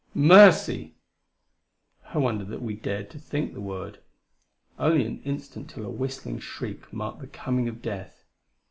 "Mercy!" I wonder that we dared to think the word. Only an instant till a whistling shriek marked the coming of death.